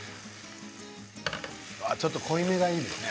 ちょっと濃いめがいいですね